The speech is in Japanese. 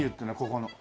ここの。